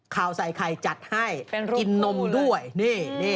ข่าวใส่ไข่จัดให้กินนมด้วยนี่